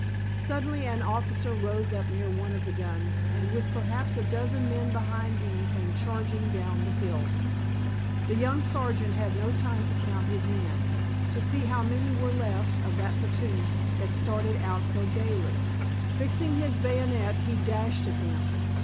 Suddenly an officer rose up near one of the guns, and with perhaps a dozen men behind him came charging down the hill. The young sergeant had no time to count his men, to see how many were left of that platoon that started out so gayly. Fixing his bayonet, he dashed at them.